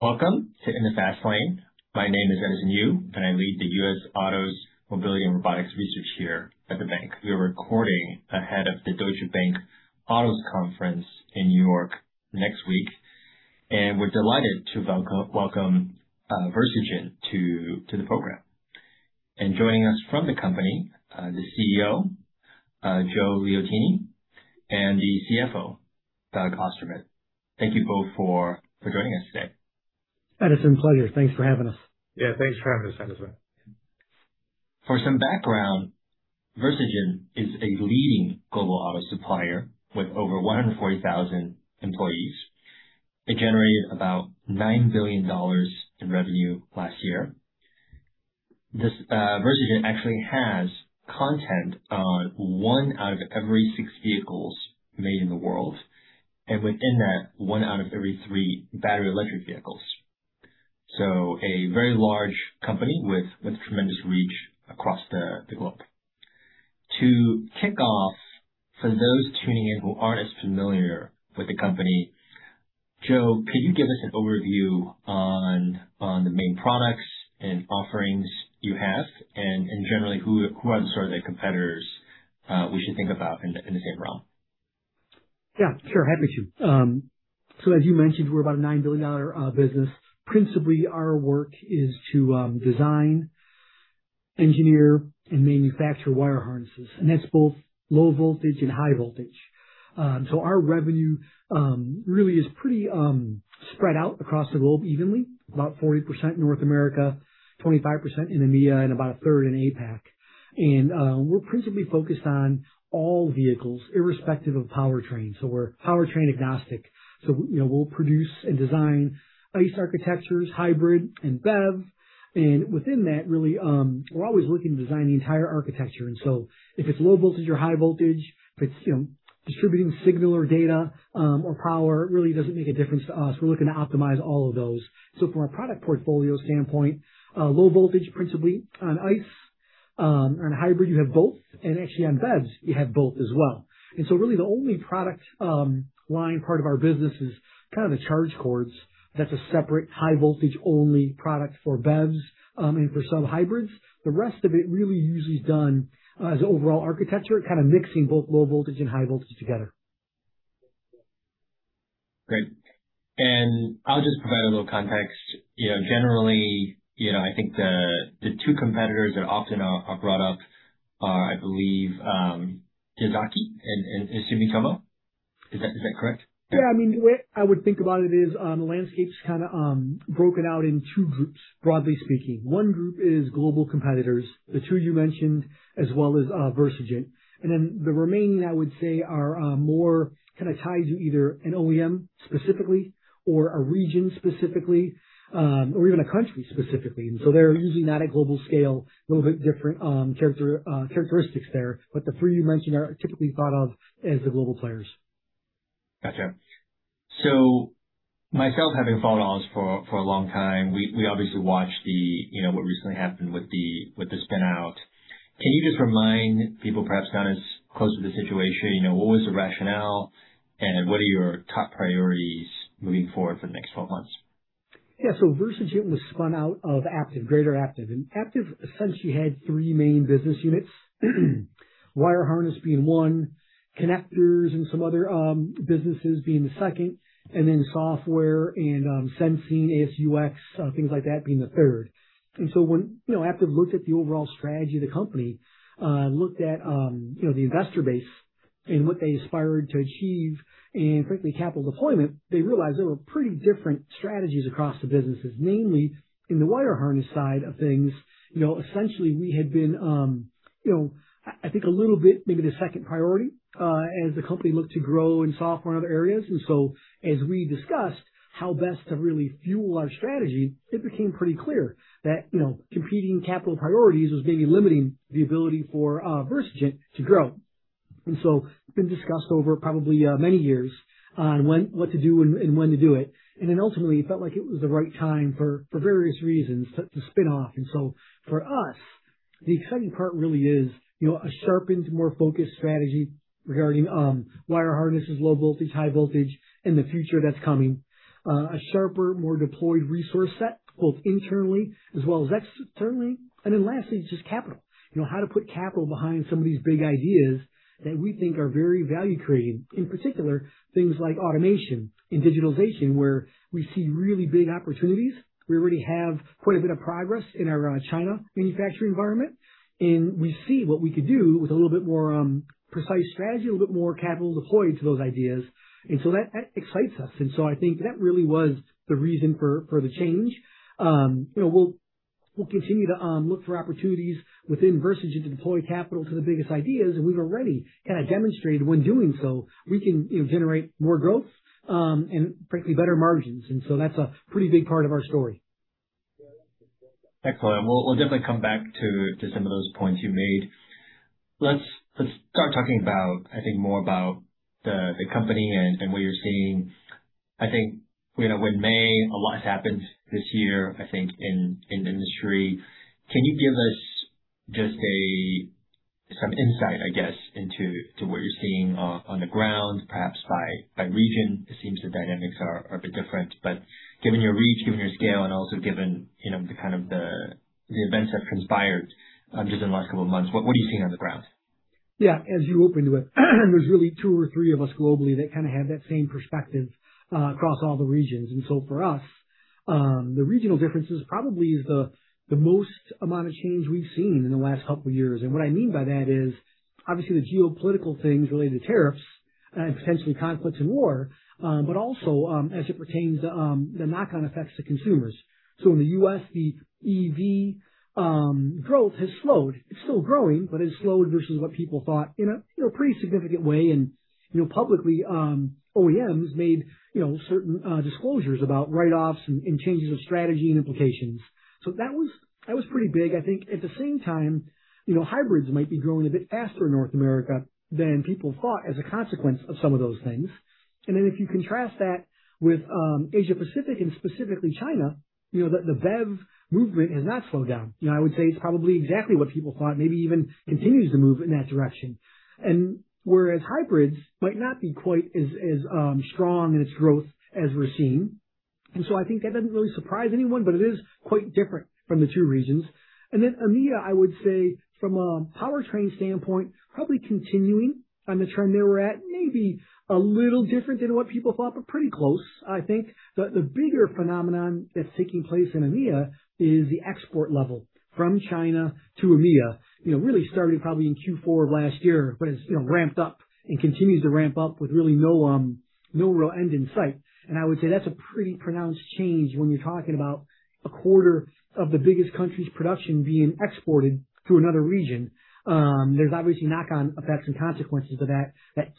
Welcome to In the Fast Lane. My name is Edison Yu, and I lead the U.S. Autos, Mobility and Robotics research here at the Bank. We are recording ahead of the Deutsche Bank Autos Conference in New York next week, and we're delighted to welcome Versigent to the program. Joining us from the company, the CEO, Joe Liotine, and the CFO, Doug Ostermann. Thank you both for joining us today. Edison, pleasure. Thanks for having us. Yeah, thanks for having us, Edison. For some background, Versigent is a leading global auto supplier with over 140,000 employees. It generated about $9 billion in revenue last year. Versigent actually has content on one out of every six vehicles made in the world, and within that, one out of every three Battery Electric Vehicles. A very large company with tremendous reach across the globe. To kick off, for those tuning in who aren't as familiar with the company, Joe, could you give us an overview on the main products and offerings you have and generally, who are the competitors we should think about in the same realm? Yeah, sure. Happy to. As you mentioned, we're about a $9 billion business. Principally, our work is to design, engineer and manufacture wire harnesses, that's both low voltage and high voltage. Our revenue really is pretty spread out across the globe evenly, about 40% North America, 25% in EMEA, about a third in APAC. We're principally focused on all vehicles irrespective of powertrain. We're powertrain agnostic. We'll produce and design ICE architectures, hybrid and BEV. Within that, really, we're always looking to design the entire architecture. If it's low voltage or high voltage, if it's distributing signal or data, or power, it really doesn't make a difference to us. We're looking to optimize all of those. From a product portfolio standpoint, low voltage principally on ICE, on hybrid, you have both, actually on BEVs, you have both as well. Really the only product line part of our business is the charge cords. That's a separate high voltage-only product for BEVs, and for some hybrids. The rest of it really usually is done as overall architecture, kind of mixing both low voltage and high voltage together. Great. I'll just provide a little context. Generally, I think the two competitors that often are brought up are, I believe, Yazaki and Sumitomo. Is that correct? Yeah, the way I would think about it is, the landscape's kind of broken out in two groups, broadly speaking. One group is global competitors, the two you mentioned, as well as Versigent. The remaining, I would say, are more kind of tied to either an OEM specifically or a region specifically, or even a country specifically. They're usually not at global scale, a little bit different characteristics there. The three you mentioned are typically thought of as the global players. Got you. Myself having followed us for a long time, we obviously watched what recently happened with the spin-out. Can you just remind people perhaps not as close to the situation, what was the rationale and what are your top priorities moving forward for the next 12 months? Yeah. Versigent was spun out of Aptiv, greater Aptiv. Aptiv essentially had three main business units, wire harness being one, connectors and some other businesses being the second, and then software and sensing, ADAS, things like that being the third. When Aptiv looked at the overall strategy of the company, looked at the investor base and what they aspired to achieve, frankly, capital deployment, they realized there were pretty different strategies across the businesses, mainly in the wire harness side of things. Essentially we had been, I think, a little bit maybe the second priority, as the company looked to grow in software and other areas. As we discussed how best to really fuel our strategy, it became pretty clear that competing capital priorities was maybe limiting the ability for Versigent to grow. It's been discussed over probably many years on what to do and when to do it. Ultimately, it felt like it was the right time for various reasons to spin off. For us, the exciting part really is a sharpened, more focused strategy regarding wire harnesses, low voltage, high voltage and the future that's coming. A sharper, more deployed resource set, both internally as well as externally. Lastly, just capital. How to put capital behind some of these big ideas that we think are very value-creating, in particular, things like automation and digitalization, where we see really big opportunities. We already have quite a bit of progress in our China manufacturing environment, and we see what we could do with a little bit more precise strategy, a little bit more capital deployed to those ideas. That excites us. I think that really was the reason for the change. We'll continue to look for opportunities within Versigent to deploy capital to the biggest ideas, and we've already kind of demonstrated when doing so, we can generate more growth, and frankly, better margins. That's a pretty big part of our story. Excellent. We'll definitely come back to some of those points you made. Let's start talking about, I think, more about the company and what you're seeing. I think we're in May. A lot has happened this year, I think, in the industry. Can you give us just some insight, I guess, into what you're seeing on the ground, perhaps by region. It seems the dynamics are a bit different. Given your reach, given your scale, and also given the events that have transpired just in the last couple of months, what are you seeing on the ground? Yeah. As you opened with, there's really two or three of us globally that kind of have that same perspective across all the regions. For us, the regional differences probably is the most amount of change we've seen in the last couple of years. What I mean by that is obviously the geopolitical things related to tariffs and potentially conflict and war, but also as it pertains to the knock-on effects to consumers. In the U.S., the EV growth has slowed. It's still growing, but it's slowed versus what people thought in a pretty significant way. Publicly, OEMs made certain disclosures about write-offs and changes of strategy and implications. That was pretty big. I think at the same time, hybrids might be growing a bit faster in North America than people thought as a consequence of some of those things. If you contrast that with Asia-Pacific and specifically China, the BEV movement has not slowed down. I would say it's probably exactly what people thought, maybe even continues to move in that direction. Whereas hybrids might not be quite as strong in its growth as we're seeing. I think that doesn't really surprise anyone, but it is quite different from the two regions. EMEA, I would say, from a powertrain standpoint, probably continuing on the trend they were at, maybe a little different than what people thought, but pretty close, I think. The bigger phenomenon that's taking place in EMEA is the export level from China to EMEA. Really starting probably in Q4 of last year, but it's ramped up and continues to ramp up with really no real end in sight. I would say that's a pretty pronounced change when you're talking about a quarter of the biggest country's production being exported to another region. There's obviously knock-on effects and consequences of that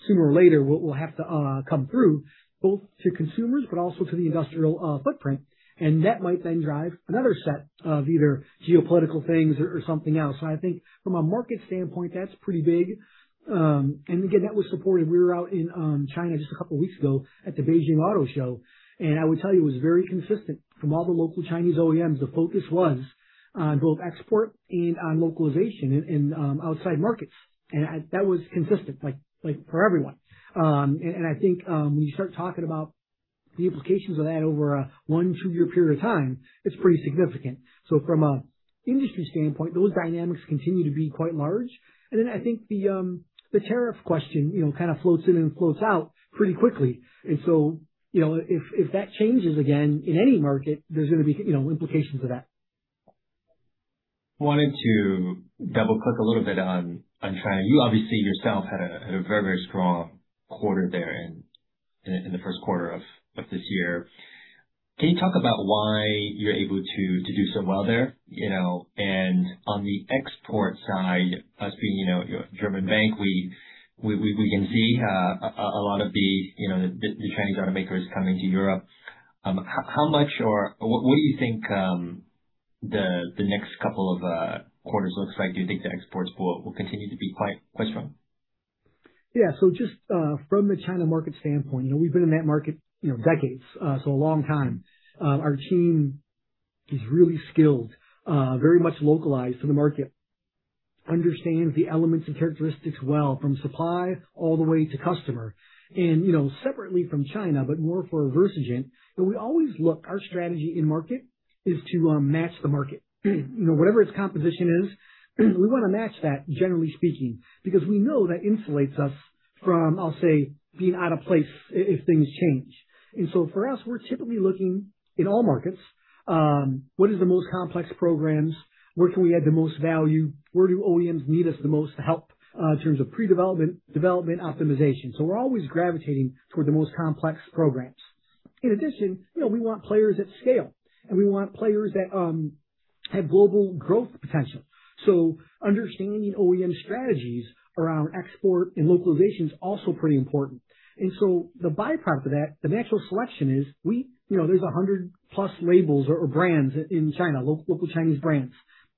sooner or later will have to come through, both to consumers but also to the industrial footprint. That might then drive another set of either geopolitical things or something else. I think from a market standpoint, that's pretty big. Again, that was supported. We were out in China just a couple of weeks ago at the Beijing Auto Show, and I would tell you it was very consistent from all the local Chinese OEMs. The focus was on both export and on localization in outside markets. That was consistent for everyone. I think when you start talking about the implications of that over a one, two-year period of time, it's pretty significant. From an industry standpoint, those dynamics continue to be quite large. Then I think the tariff question kind of floats in and floats out pretty quickly. So, if that changes again in any market, there's going to be implications of that. Wanted to double-click a little bit on China. You obviously yourself had a very strong quarter there in the first quarter of this year. Can you talk about why you're able to do so well there? On the export side, us being Deutsche Bank, we can see a lot of the Chinese automakers coming to Europe. What do you think the next couple of quarters looks like? Do you think the exports will continue to be quite strong? Yeah. Just from the China market standpoint, we've been in that market decades, so a long time. Our team is really skilled, very much localized to the market, understands the elements and characteristics well, from supply all the way to customer. Separately from China, but more for Versigent, our strategy in market is to match the market. Whatever its composition is, we want to match that, generally speaking, because we know that insulates us from, I'll say, being out of place if things change. For us, we're typically looking in all markets. What is the most complex programs? Where can we add the most value? Where do OEMs need us the most to help in terms of pre-development, development, optimization? We're always gravitating toward the most complex programs. In addition, we want players at scale, and we want players that have global growth potential. Understanding OEM strategies around export and localization is also pretty important. The byproduct of that, the natural selection is there's 100+ labels or brands in China, local Chinese brands.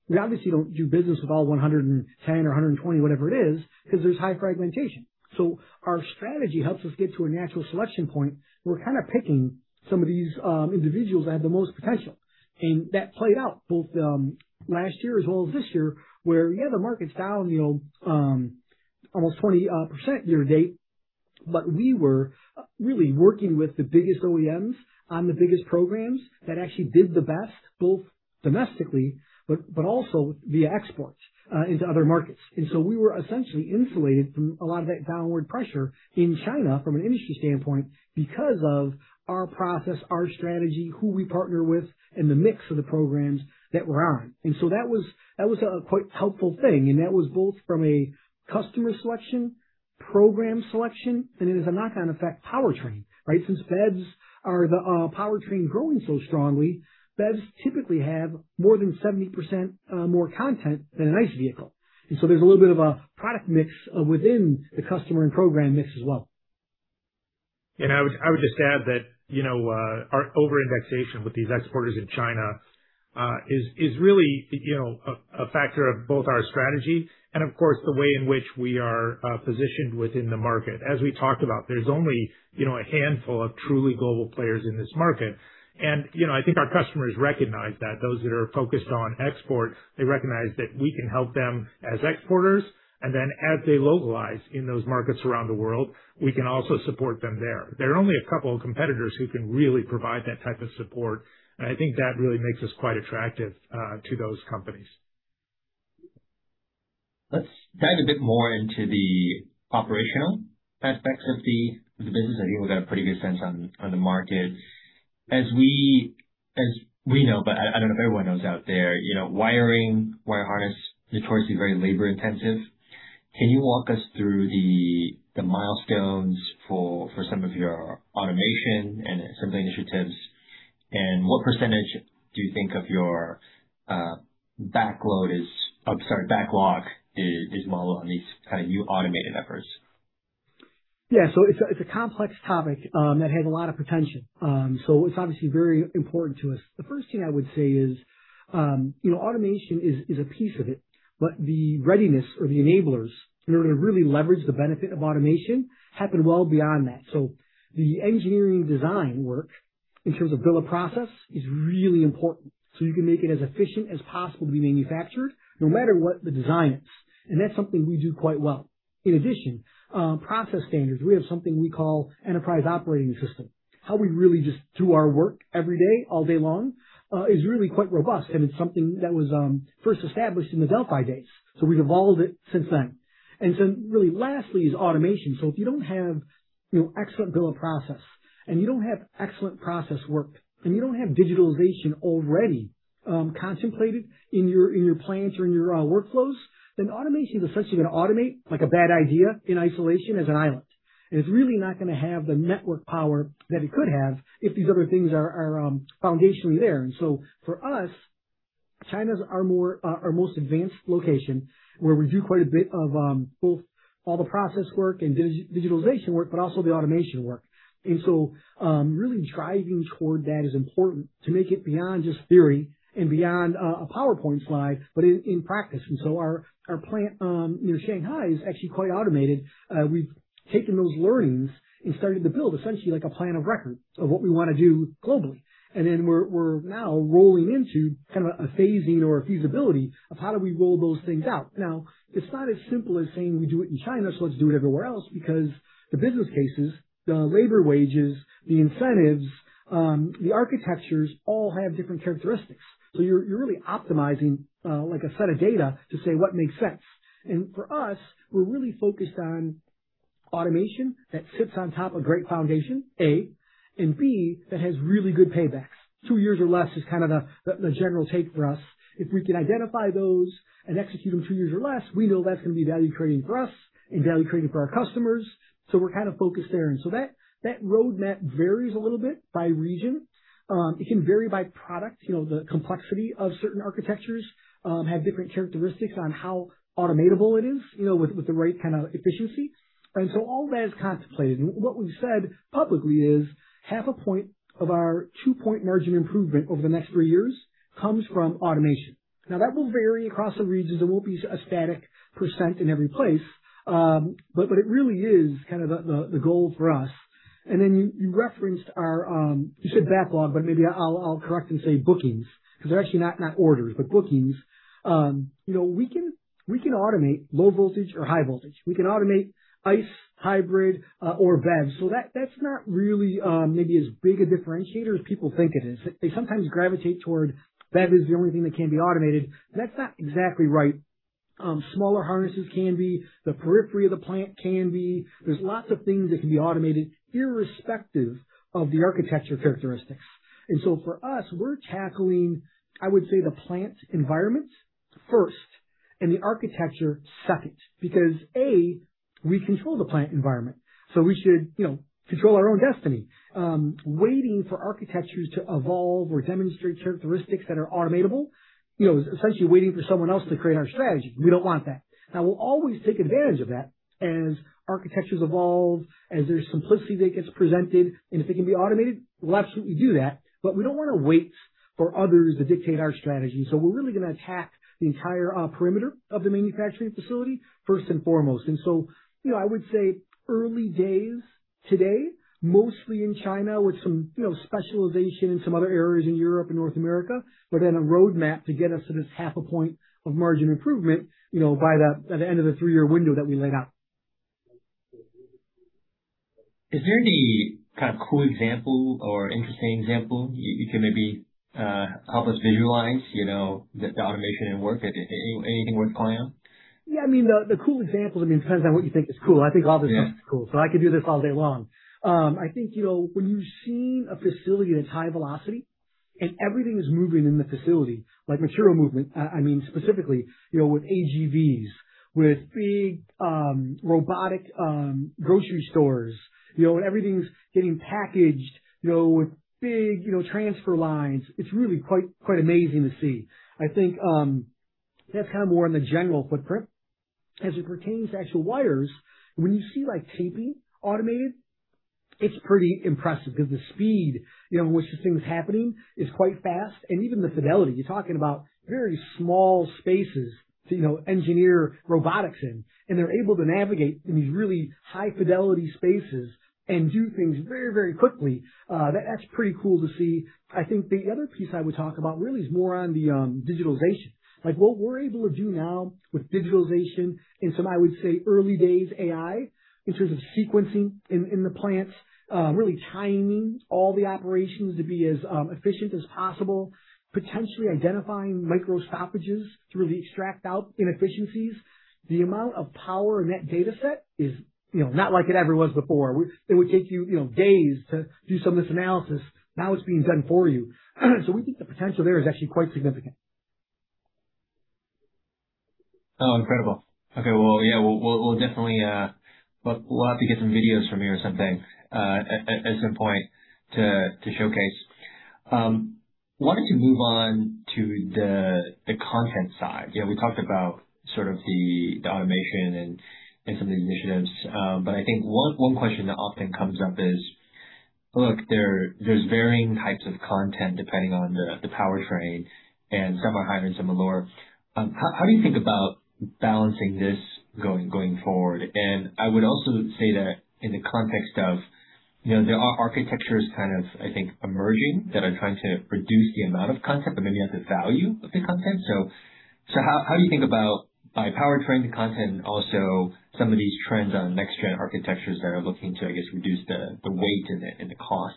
We obviously don't do business with all 110 or 120, whatever it is, because there's high fragmentation. Our strategy helps us get to a natural selection point. We're kind of picking some of these individuals that have the most potential. That played out both last year as well as this year, where, yeah, the market's down almost 20% year-to-date, but we were really working with the biggest OEMs on the biggest programs that actually did the best, both domestically, but also via exports into other markets. We were essentially insulated from a lot of that downward pressure in China from an industry standpoint because of our process, our strategy, who we partner with, and the mix of the programs that we're on. That was a quite helpful thing, and that was both from a customer selection, program selection, and it is a knock-on effect powertrain, right? Since BEVs are the powertrain growing so strongly, BEVs typically have more than 70% more content than an ICE vehicle. There's a little bit of a product mix within the customer and program mix as well. I would just add that our over-indexation with these exporters in China is really a factor of both our strategy and of course, the way in which we are positioned within the market. As we talked about, there's only a handful of truly global players in this market. I think our customers recognize that. Those that are focused on export, they recognize that we can help them as exporters, and then as they localize in those markets around the world, we can also support them there. There are only a couple of competitors who can really provide that type of support, and I think that really makes us quite attractive to those companies. Let's dive a bit more into the operational aspects of the business. I think we've got a pretty good sense on the market. As we know, I don't know if everyone knows out there, wiring, wire harness, notoriously very labor intensive. Can you walk us through the milestones for some of your automation and assembly initiatives? What percentage do you think of your backlog is modeled on these new automated efforts? Yeah. It's a complex topic that has a lot of potential. It's obviously very important to us. The first thing I would say is, automation is a piece of it, but the readiness or the enablers in order to really leverage the benefit of automation happen well beyond that. The engineering design work in terms of bill of process is really important. You can make it as efficient as possible to be manufactured no matter what the design is. That's something we do quite well. In addition, process standards, we have something we call enterprise operating system. How we really just do our work every day, all day long, is really quite robust and it's something that was first established in the Delphi days. We've evolved it since then. Really lastly is automation. If you don't have excellent bill of process and you don't have excellent process work, and you don't have digitalization already contemplated in your plants or in your workflows, then automation is essentially going to automate like a bad idea in isolation as an island. It's really not going to have the network power that it could have if these other things are foundationally there. For us, China's our most advanced location where we do quite a bit of both all the process work and digitalization work, but also the automation work. Really driving toward that is important to make it beyond just theory and beyond a PowerPoint slide, but in practice. Our plant near Shanghai is actually quite automated. We've taken those learnings and started to build essentially like a plan of record of what we want to do globally. We're now rolling into kind of a phasing or a feasibility of how do we roll those things out. It's not as simple as saying we do it in China, so let's do it everywhere else because the business cases, the labor wages, the incentives, the architectures all have different characteristics. You're really optimizing like a set of data to say what makes sense. For us, we're really focused on automation that sits on top of great foundation, A, and B, that has really good paybacks. Two years or less is kind of the general take for us. If we can identify those and execute them two years or less, we know that's going to be value creating for us and value creating for our customers. We're kind of focused there. That roadmap varies a little bit by region. It can vary by product. The complexity of certain architectures have different characteristics on how automatable it is with the right kind of efficiency. All that is contemplated. What we've said publicly is half a point of our two-point margin improvement over the next three years comes from automation. That will vary across the regions. It won't be a static percent in every place. It really is kind of the goal for us. You referenced our, you said backlog, but maybe I'll correct and say bookings because they're actually not orders, but bookings. We can automate low voltage or high voltage. We can automate ICE, hybrid, or BEV. That's not really maybe as big a differentiator as people think it is. They sometimes gravitate toward BEV is the only thing that can be automated, but that's not exactly right. Smaller harnesses can be. The periphery of the plant can be. There's lots of things that can be automated irrespective of the architecture characteristics. For us, we're tackling, I would say, the plant environments first and the architecture second, because, A, we control the plant environment, so we should control our own destiny. Waiting for architectures to evolve or demonstrate characteristics that are automatable, is essentially waiting for someone else to create our strategy. We don't want that. Now, we'll always take advantage of that as architectures evolve, as there's simplicity that gets presented, and if it can be automated, we'll absolutely do that. We don't want to wait for others to dictate our strategy. We're really going to attack the entire perimeter of the manufacturing facility first and foremost. I would say early days today, mostly in China with some specialization in some other areas in Europe and North America, but then a roadmap to get us to this half a point of margin improvement by the end of the three-year window that we laid out. Is there any kind of cool example or interesting example you can maybe help us visualize the automation and work? Anything worth calling out? Yeah. The cool examples depends on what you think is cool. I think all this stuff is cool, so I could do this all day long. I think when you've seen a facility that's high velocity and everything is moving in the facility, like material movement, I mean specifically with AGVs, with big robotic grocery stores, when everything's getting packaged with big transfer lines, it's really quite amazing to see. I think that's more in the general footprint. As it pertains to actual wires, when you see taping automated, it's pretty impressive because the speed with which this thing's happening is quite fast. Even the fidelity, you're talking about very small spaces to engineer robotics in, and they're able to navigate in these really high fidelity spaces and do things very quickly. That's pretty cool to see. I think the other piece I would talk about really is more on the digitalization. What we're able to do now with digitalization and some, I would say, early days AI in terms of sequencing in the plants, really timing all the operations to be as efficient as possible, potentially identifying micro stoppages to really extract out inefficiencies. The amount of power in that data set is not like it ever was before. It would take you days to do some of this analysis. Now it's being done for you. We think the potential there is actually quite significant. Oh, incredible. Okay. Well, yeah. We'll definitely have to get some videos from you or something at some point to showcase. Wanted to move on to the content side. We talked about sort of the automation and some of the initiatives. I think one question that often comes up is, look, there's varying types of content depending on the powertrain, and some are higher and some are lower. How do you think about balancing this going forward? I would also say that in the context of, there are architectures kind of, I think, emerging that are trying to reduce the amount of content but maybe at the value of the content. How do you think about by powertrain content and also some of these trends on next-gen architectures that are looking to, I guess, reduce the weight and the cost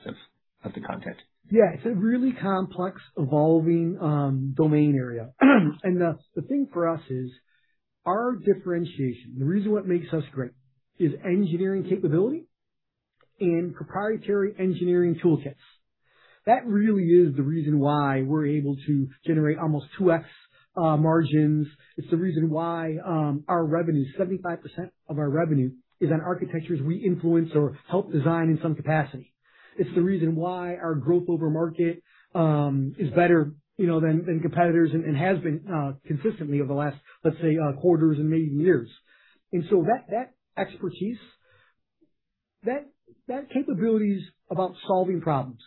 of the content? Yeah. It's a really complex, evolving domain area. The thing for us is our differentiation, the reason what makes us great is engineering capability and proprietary engineering toolkits. That really is the reason why we're able to generate almost 2x margins. It's the reason why our revenue, 75% of our revenue is on architectures we influence or help design in some capacity. It's the reason why our growth over market is better than competitors and has been consistently over the last, let's say, quarters and maybe years. That expertise, that capability is about solving problems.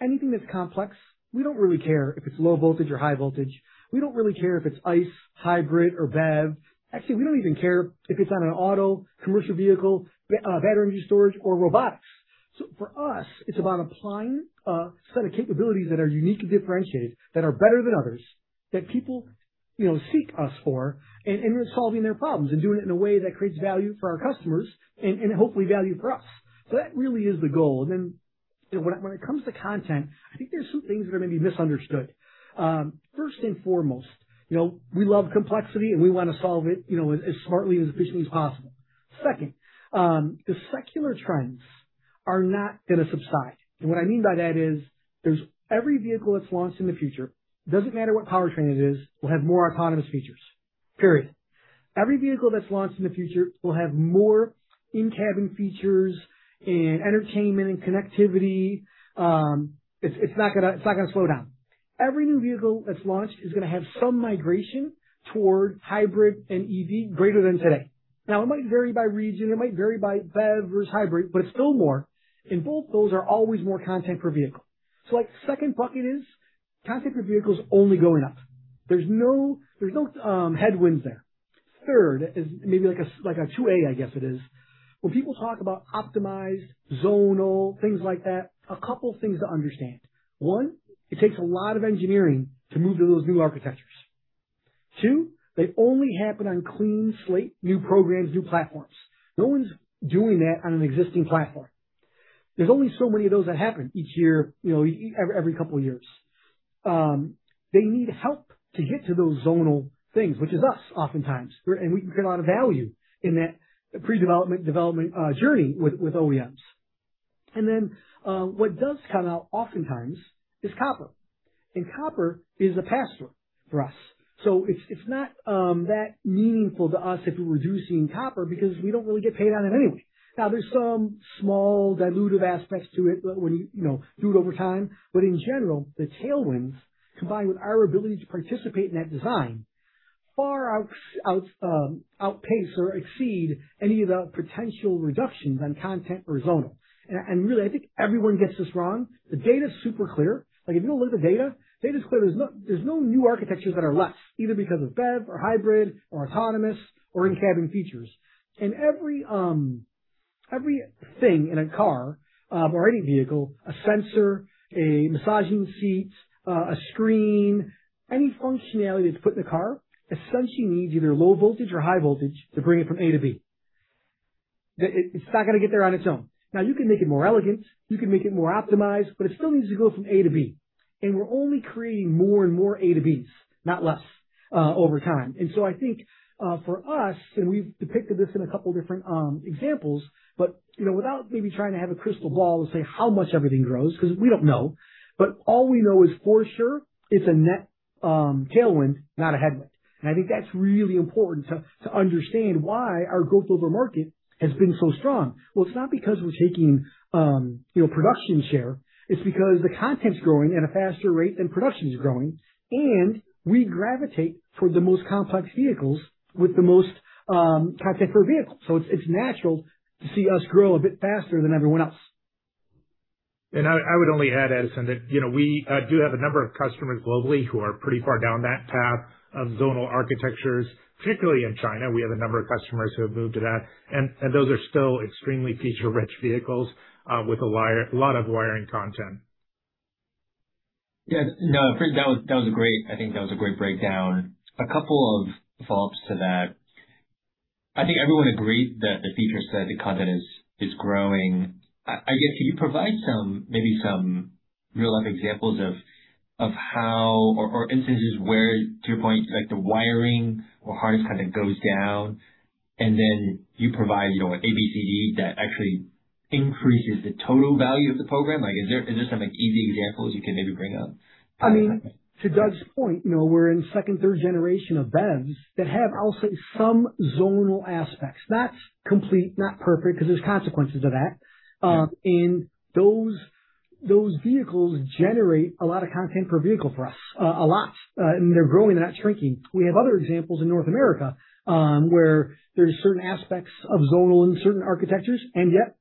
Anything that's complex, we don't really care if it's low voltage or high voltage. We don't really care if it's ICE, hybrid, or BEV. Actually, we don't even care if it's on an auto, commercial vehicle, battery energy storage, or robotics. For us, it's about applying a set of capabilities that are uniquely differentiated, that are better than others, that people seek us for, and we're solving their problems and doing it in a way that creates value for our customers and hopefully value for us. That really is the goal. When it comes to content, I think there's some things that are maybe misunderstood. First and foremost, we love complexity, and we want to solve it as smartly and as efficiently as possible. Second, the secular trends are not going to subside. What I mean by that is every vehicle that's launched in the future, doesn't matter what powertrain it is, will have more autonomous features. Period. Every vehicle that's launched in the future will have more in-cabin features in entertainment and connectivity. It's not going to slow down. Every new vehicle that's launched is going to have some migration toward hybrid and EV greater than today. It might vary by region, it might vary by BEV versus hybrid, it's still more. Both those are always more content per vehicle. Second bucket is content per vehicle is only going up. There's no headwinds there. Third is maybe like a 2A, I guess it is. When people talk about optimized, zonal, things like that, a couple of things to understand. One, it takes a lot of engineering to move to those new architectures. Two, they only happen on clean slate, new programs, new platforms. No one's doing that on an existing platform. There's only so many of those that happen each year, every couple of years. They need help to get to those zonal things, which is us oftentimes. We can create a lot of value in that pre-development, development journey with OEMs. What does come out oftentimes is copper, and copper is a pass-through for us. It's not that meaningful to us if we're reducing copper because we don't really get paid on it anyway. Now, there's some small dilutive aspects to it when you do it over time. In general, the tailwinds, combined with our ability to participate in that design, far outpace or exceed any of the potential reductions on content or zonal. Really, I think everyone gets this wrong. The data is super clear. If you look at the data is clear. There's no new architectures that are less, either because of BEV or hybrid or autonomous or in-cabin features. Everything in a car or any vehicle, a sensor, a massaging seat, a screen, any functionality that's put in the car essentially needs either low voltage or high voltage to bring it from A to B. It's not going to get there on its own. Now, you can make it more elegant, you can make it more optimized, but it still needs to go from A to B. We're only creating more and more A to Bs, not less over time. I think for us, and we've depicted this in a couple different examples, but without maybe trying to have a crystal ball to say how much everything grows, because we don't know, but all we know is for sure it's a net tailwind, not a headwind. I think that's really important to understand why our growth over market has been so strong. Well, it's not because we're taking production share. It's because the content's growing at a faster rate than production is growing, and we gravitate toward the most complex vehicles with the most content per vehicle. It's natural to see us grow a bit faster than everyone else. I would only add, Edison, that we do have a number of customers globally who are pretty far down that path of zonal architectures, particularly in China. We have a number of customers who have moved to that, and those are still extremely feature-rich vehicles with a lot of wiring content. Yes. No, I think that was a great breakdown. A couple of follow-ups to that. I think everyone agrees that the feature set of the content is growing. I guess, can you provide maybe some real-life examples of how or instances where, to your point, the wiring or harness kind of goes down, and then you provide an A, B, C, D that actually increases the total value of the program? Is there some easy examples you can maybe bring up? To Doug's point, we're in second, third generation of BEVs that have, I'll say, some zonal aspects. Not complete, not perfect, because there's consequences of that. Those vehicles generate a lot of content per vehicle for us. A lot. They're growing, they're not shrinking. We have other examples in North America, where there's certain aspects of zonal in certain architectures, and yet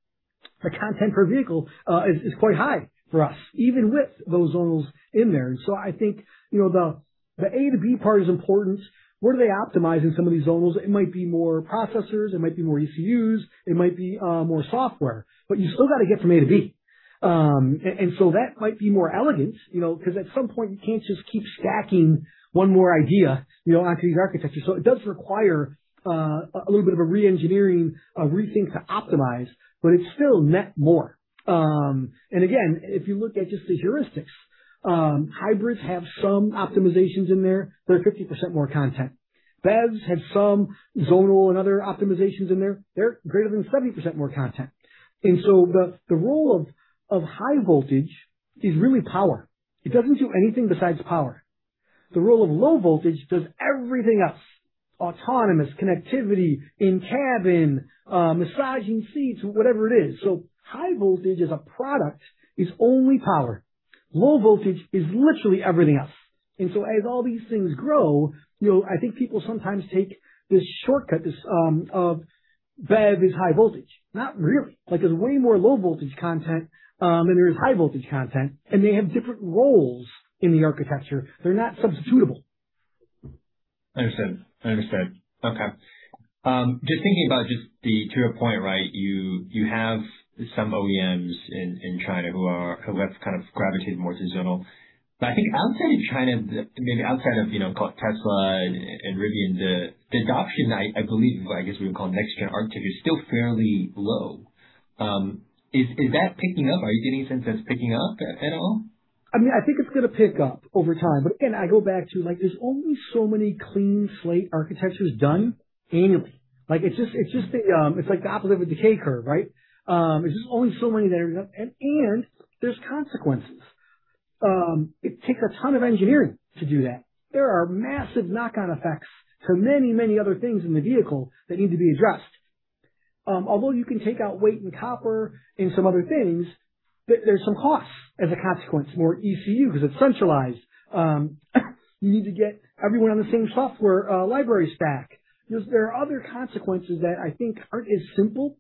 the content per vehicle is quite high for us, even with those zonals in there. I think, the A to B part is important. What are they optimizing some of these zonals? It might be more processors, it might be more ECUs, it might be more software. You still got to get from A to B. That might be more elegant because at some point you can't just keep stacking one more idea, onto these architectures. It does require a little bit of a re-engineering, a rethink to optimize, but it's still net more. Again, if you look at just the heuristics, hybrids have some optimizations in there. They're 50% more content. BEVs have some zonal and other optimizations in there. They're greater than 70% more content. The role of high voltage is really power. It doesn't do anything besides power. The role of low voltage does everything else, autonomous connectivity, in-cabin, massaging seats, whatever it is. So high voltage as a product is only power. Low voltage is literally everything else. As all these things grow, I think people sometimes take this shortcut of BEV is high voltage. Not really. There's way more low voltage content than there is high voltage content, and they have different roles in the architecture. They're not substitutable. Understood. Okay. Just thinking about, to your point, you have some OEMs in China who have kind of gravitated more to zonal. I think outside of China, maybe outside of Tesla and Rivian, the adoption, I believe, I guess we would call next gen architecture, is still fairly low. Is that picking up? Are you getting a sense that's picking up at all? I think it's going to pick up over time, but again, I go back to, there's only so many clean slate architectures done annually. It's like the opposite of a decay curve, right? There's just only so many that are. There's consequences. It takes a ton of engineering to do that. There are massive knock-on effects to many other things in the vehicle that need to be addressed. Although you can take out weight and copper and some other things, there's some costs as a consequence. More ECU because it's centralized. You need to get everyone on the same software library stack. Just there are other consequences that I think aren't as simple.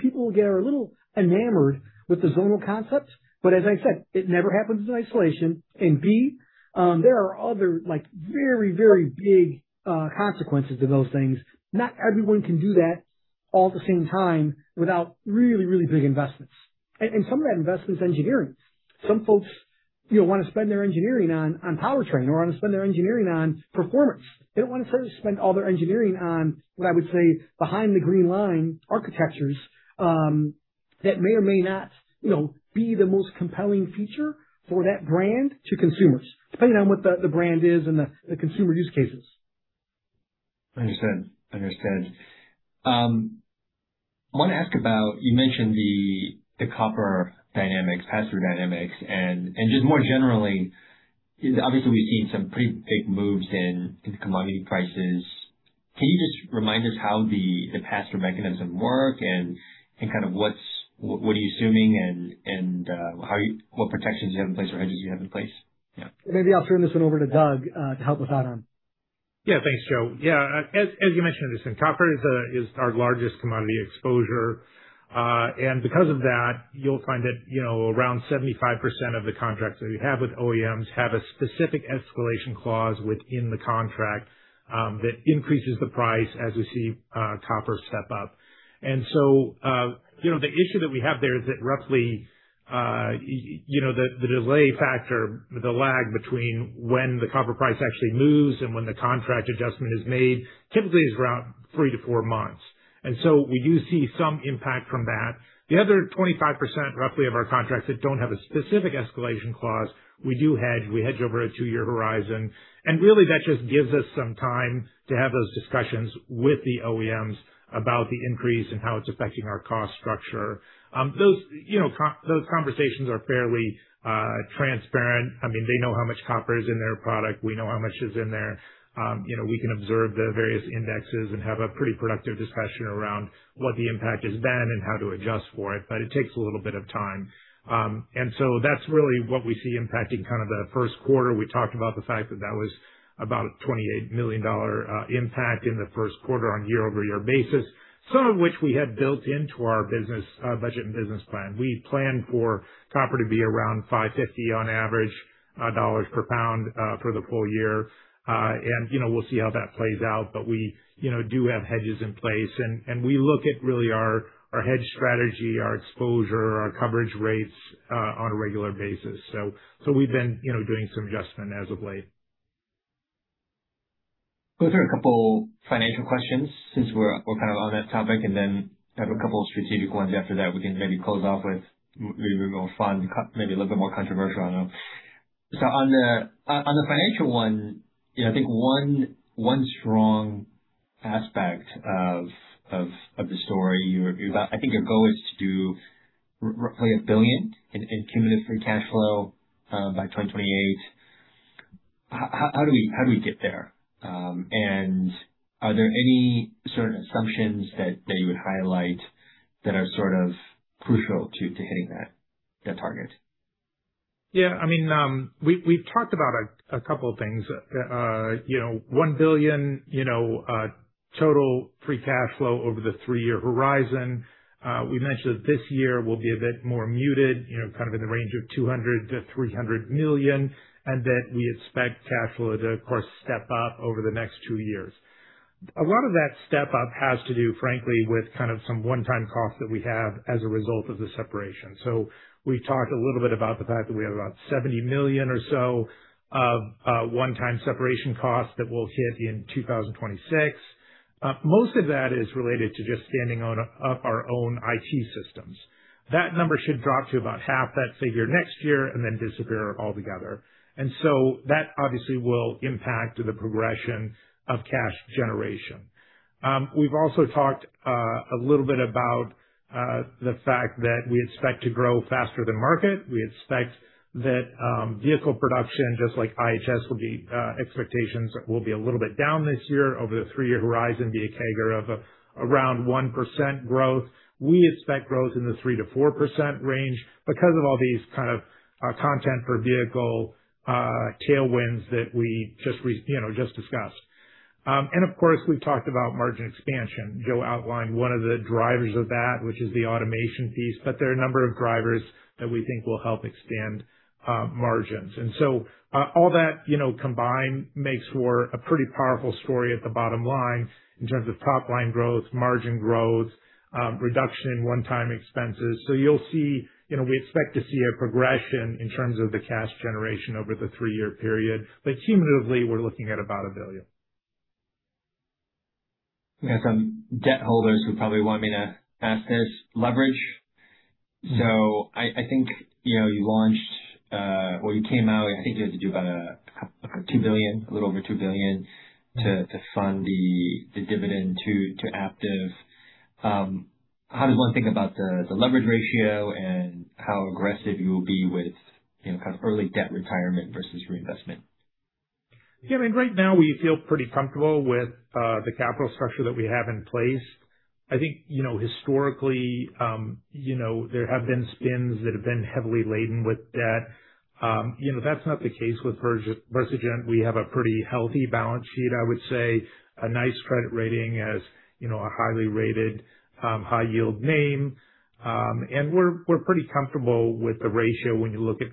People get a little enamored with the zonal concepts. As I said, it never happens in isolation. B, there are other very big consequences to those things. Not everyone can do that all at the same time without really big investments. Some of that investment is engineering. Some folks want to spend their engineering on powertrain, or want to spend their engineering on performance. They don't want to necessarily spend all their engineering on what I would say behind the green line architectures, that may or may not be the most compelling feature for that brand to consumers, depending on what the brand is and the consumer use cases. Understood. I want to ask about, you mentioned the copper dynamics, pass-through dynamics, and just more generally, obviously we've seen some pretty big moves in commodity prices. Can you just remind us how the pass-through mechanism work and what are you assuming and what protections you have in place, or hedges you have in place? Maybe I'll turn this one over to Doug, to help with that one. Thanks, Joe. As you mentioned, listen, copper is our largest commodity exposure. Because of that, you'll find that around 75% of the contracts that we have with OEMs have a specific escalation clause within the contract, that increases the price as we see copper step up. The issue that we have there is that roughly, the delay factor, the lag between when the copper price actually moves and when the contract adjustment is made typically is around three to four months. We do see some impact from that. The other 25%, roughly, of our contracts that don't have a specific escalation clause, we do hedge. We hedge over a two-year horizon. Really that just gives us some time to have those discussions with the OEMs about the increase and how it's affecting our cost structure. Those conversations are fairly transparent. They know how much copper is in their product. We know how much is in there. We can observe the various indexes and have a pretty productive discussion around what the impact has been and how to adjust for it, but it takes a little bit of time. That's really what we see impacting kind of the first quarter. We talked about the fact that that was about a $28 million impact in the first quarter on year-over-year basis, some of which we had built into our budget and business plan. We plan for copper to be around $550 on average per pound, for the full year. We'll see how that plays out. We do have hedges in place, and we look at really our hedge strategy, our exposure, our coverage rates, on a regular basis. We've been doing some adjustment as of late. Go through a couple financial questions since we're kind of on that topic, and then have a couple strategic ones after that we can maybe close off with maybe a little fun, maybe a little bit more controversial, I don't know. On the financial one, I think one strong aspect of the story you review, I think your goal is to do roughly $1 billion in cumulative free cash flow by 2028. How do we get there? Are there any certain assumptions that you would highlight that are sort of crucial to hitting that target? We've talked about a couple of things. $1 billion total free cash flow over the three-year horizon. We mentioned that this year will be a bit more muted, kind of in the range of $200 million-$300 million, and that we expect cash flow to, of course, step up over the next two years. A lot of that step-up has to do, frankly, with some one-time costs that we have as a result of the separation. We talked a little bit about the fact that we have about $70 million or so of one-time separation costs that will hit in 2026. Most of that is related to just standing up our own IT systems. That number should drop to about half that figure next year and then disappear altogether. That obviously will impact the progression of cash generation. We've also talked a little bit about the fact that we expect to grow faster than market. We expect that vehicle production, just like IHS, expectations will be a little bit down this year over the three-year horizon be a CAGR of around 1% growth. We expect growth in the 3%-4% range because of all these kind of content per vehicle tailwinds that we just discussed. Of course, we've talked about margin expansion. Joe outlined one of the drivers of that, which is the automation piece, but there are a number of drivers that we think will help expand margins. All that combined makes for a pretty powerful story at the bottom line in terms of top line growth, margin growth, reduction in one-time expenses. You'll see we expect to see a progression in terms of the cash generation over the three-year period. Cumulatively, we're looking at about $1 billion. We have some debt holders who probably want me to ask this leverage. I think you launched or you came out, I think you had to do about $2 billion, a little over $2 billion to fund the dividend to Aptiv. How does one think about the leverage ratio and how aggressive you'll be with kind of early debt retirement versus reinvestment? Yeah, right now we feel pretty comfortable with the capital structure that we have in place. I think historically, there have been spins that have been heavily laden with debt. That's not the case with Versigent. We have a pretty healthy balance sheet, I would say, a nice credit rating as a highly rated, high yield name. We're pretty comfortable with the ratio when you look at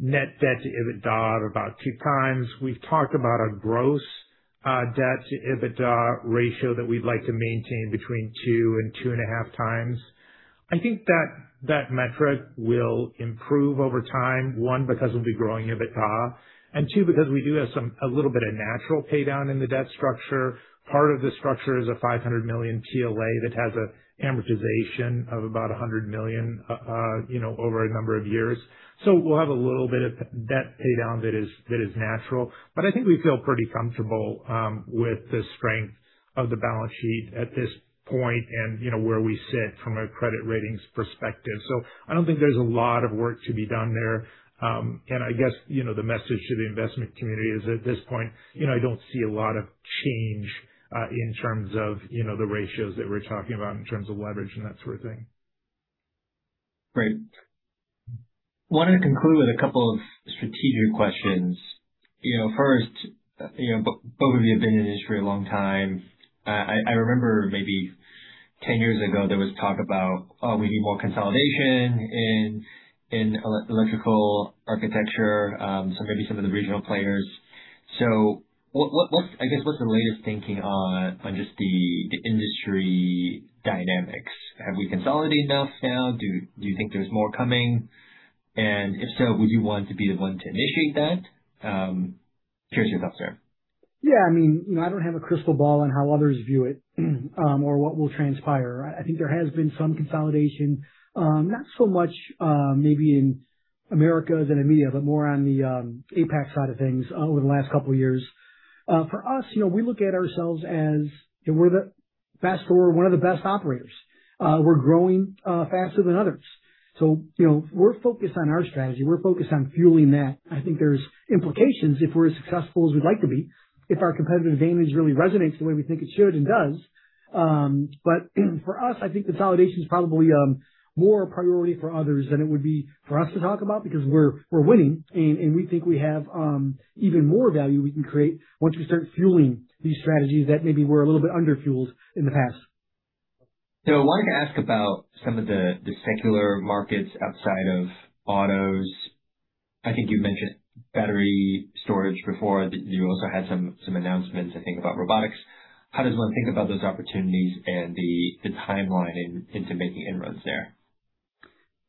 net debt to EBITDA at about two times. We've talked about our gross debt to EBITDA ratio that we'd like to maintain between two and two and a half times. I think that metric will improve over time. One, because we'll be growing EBITDA, and two, because we do have a little bit of natural pay down in the debt structure. Part of the structure is a $500 million TLA that has an amortization of about $100 million over a number of years. We'll have a little bit of debt pay down that is natural. I think we feel pretty comfortable with the strength of the balance sheet at this point and where we sit from a credit ratings perspective. I don't think there's a lot of work to be done there. I guess, the message to the investment community is, at this point, I don't see a lot of change in terms of the ratios that we're talking about in terms of leverage and that sort of thing. Great. Want to conclude with a couple of strategic questions. First, both of you have been in the industry a long time. I remember maybe 10 years ago, there was talk about, oh, we need more consolidation in electrical architecture. Maybe some of the regional players. I guess what's the latest thinking on just the industry dynamics? Have we consolidated enough now? Do you think there's more coming? If so, would you want to be the one to initiate that? Curious your thoughts there. I don't have a crystal ball on how others view it or what will transpire. I think there has been some consolidation. Not so much maybe in Americas and EMEA, but more on the APAC side of things over the last couple of years. For us, we look at ourselves as we're one of the best operators. We're growing faster than others. We're focused on our strategy. We're focused on fueling that. I think there's implications if we're as successful as we'd like to be, if our competitive advantage really resonates the way we think it should and does. For us, I think consolidation is probably more a priority for others than it would be for us to talk about because we're winning, and we think we have even more value we can create once we start fueling these strategies that maybe were a little bit under-fueled in the past. I wanted to ask about some of the secular markets outside of autos. I think you mentioned battery storage before. You also had some announcements, I think, about robotics. How does one think about those opportunities and the timeline into making inroads there?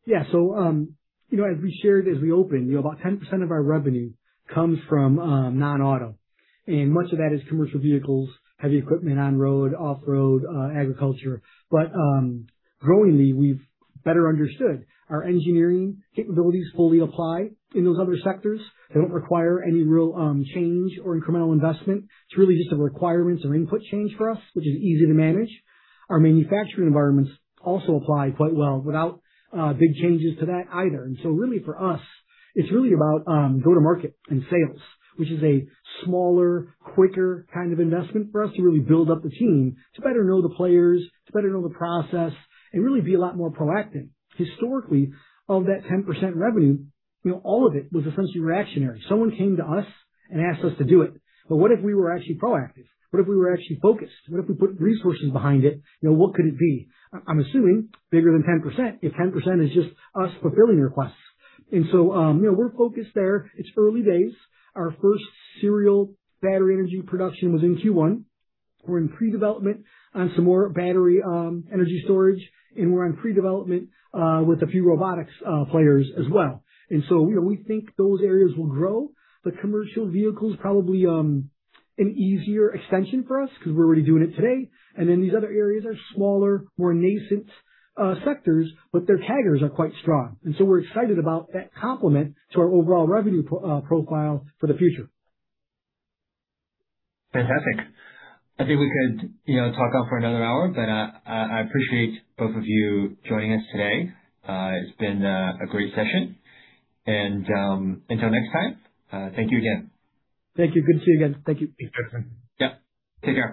Yeah. As we shared as we opened, about 10% of our revenue comes from non-auto, and much of that is commercial vehicles, heavy equipment on-road, off-road, agriculture. Growingly, we've better understood our engineering capabilities fully apply in those other sectors. They don't require any real change or incremental investment. It's really just a requirements or input change for us, which is easy to manage. Our manufacturing environments also apply quite well without big changes to that either. Really for us, it's really about go to market and sales, which is a smaller, quicker kind of investment for us to really build up the team to better know the players, to better know the process, and really be a lot more proactive. Historically, of that 10% revenue, all of it was essentially reactionary. Someone came to us and asked us to do it. What if we were actually proactive? What if we were actually focused? What if we put resources behind it? What could it be? I'm assuming bigger than 10%, if 10% is just us fulfilling requests. We're focused there. It's early days. Our first serial battery energy production was in Q1. We're in pre-development on some more battery energy storage, and we're in pre-development with a few robotics players as well. We think those areas will grow. The commercial vehicles probably an easier extension for us because we're already doing it today. These other areas are smaller, more nascent sectors, but their CAGRs are quite strong. We're excited about that complement to our overall revenue profile for the future. Fantastic. I think we could talk on for another hour, but I appreciate both of you joining us today. It's been a great session. Until next time, thank you again. Thank you. Good to see you again. Thank you. Thanks, Edison. Yep. Take care.